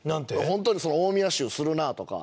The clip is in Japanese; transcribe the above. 本当に「大宮臭するな」とか。